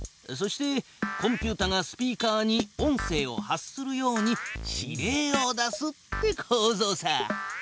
そしてコンピュータがスピーカーに音声を発するように指令を出すってこうぞうさ。